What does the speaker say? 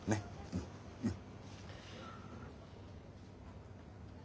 うんうん。